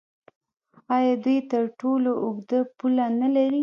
آیا دوی تر ټولو اوږده پوله نلري؟